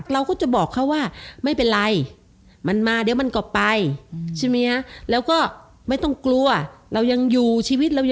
เราก็จะบอกเขาว่าไม่เป็นไร